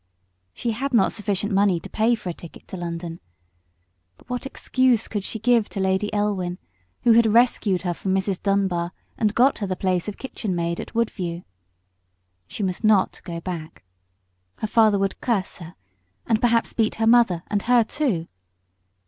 She had not sufficient money to pay for a ticket to London. But what excuse could she give to Lady Elwin, who had rescued her from Mrs. Dunbar and got her the place of kitchen maid at Woodview? She must not go back. Her father would curse her, and perhaps beat her mother and her too.